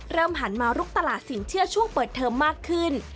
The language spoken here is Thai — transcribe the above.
หันมาลุกตลาดสินเชื่อช่วงเปิดเทอมมากขึ้น